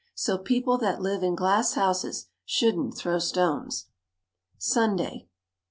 So "people that live in glass houses shouldn't throw stones." _Sunday.